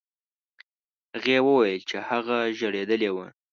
هغې وویل چې هغه ژړېدلی و.